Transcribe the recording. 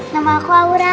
nama aku aura